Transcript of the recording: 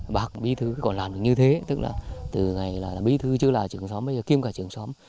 bác bí thư còn làm được như thế tức là từ ngày là bí thư chứ là trưởng xóm bây giờ kiêm cả trưởng xóm